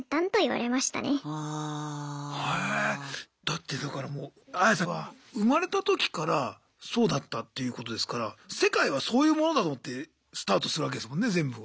だってだからもうアヤさんは生まれた時からそうだったっていうことですから世界はそういうものだと思ってスタートするわけですもんね全部。